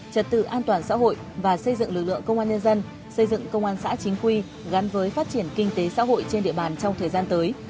trật tự an toàn xã hội và xây dựng lực lượng công an nhân dân xây dựng công an xã chính quy gắn với phát triển kinh tế xã hội trên địa bàn trong thời gian tới